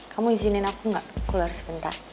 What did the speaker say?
kamu izinin aku nggak keluar sebentar